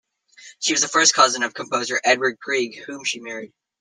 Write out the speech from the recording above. She was the first cousin of composer Edvard Grieg, whom she married.